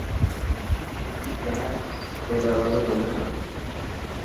وڪي جائي تو دروازو بند ڪران.